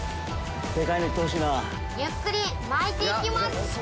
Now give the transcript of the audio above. ゆっくり巻いていきます。